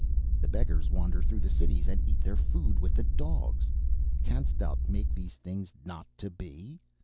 The beggars wander through the cities, and eat their food with the dogs. Canst thou make these things not to be?